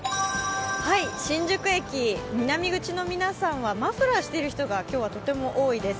新宿駅南口の皆さんはマフラーしている人が今日はとても多いです。